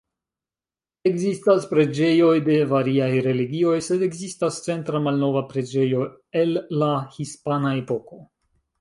Ekzistas preĝejoj de variaj religioj, sed ekzistas centra malnova preĝejo el la Hispana Epoko.